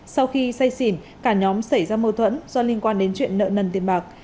sau khi say xỉn cả nhóm xảy ra mâu thuẫn do liên quan đến chuyện nợ nần tiền bạc